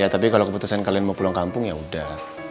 tapi kalau keputusan kalian mau pulang kampung ya udah